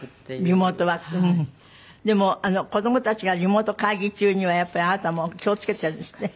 でも子供たちがリモート会議中にはやっぱりあなたも気を付けてるんですって？